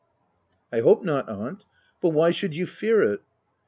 —'*" I hope not, aunt ; but why should you fear it